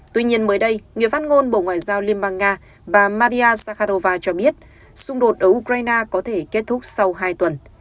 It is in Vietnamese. tuy nhiên mới đây người phát ngôn bộ ngoại giao liên bang nga bà maria zakharova cho biết xung đột ở ukraine có thể kết thúc sau hai tuần